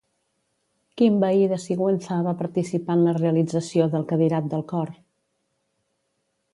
Quin veí de Sigüenza va participar en la realització del cadirat del cor?